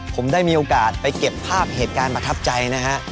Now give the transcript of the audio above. ผมได้มีโอกาสไปเก็บภาพเหตุการณ์ประทับใจนะฮะ